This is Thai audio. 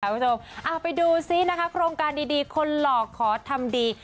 คุณผู้ชมไปดูซินะคะโครงการดีคนหลอกขอทำดี